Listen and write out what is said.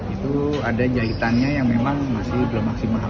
itu ada jahitannya yang memang masih belum maksimal